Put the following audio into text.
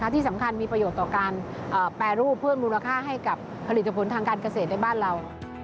ที่สำคัญมีประโยชน์ต่อการแปรรูปเพิ่มมูลค่าให้กับผลิตผลทางการเกษตรในบ้านเรา